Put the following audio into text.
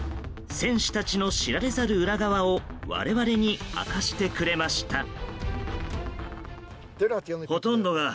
選手たちの知られざる裏側を我々に明かしてくれました。